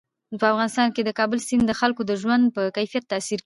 په افغانستان کې د کابل سیند د خلکو د ژوند په کیفیت تاثیر کوي.